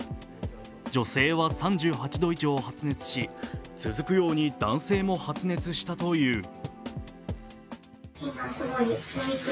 女性は３８度以上発熱し続くように男性も発熱したという。